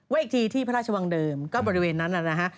อีกทีที่พระราชวังเดิมก็บริเวณนั้นนะฮะ